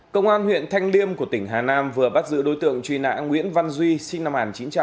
công an huyện thanh liêm của tỉnh hà nam vừa bắt giữ đối tượng truy nã nguyễn văn duy sinh năm một nghìn chín trăm tám mươi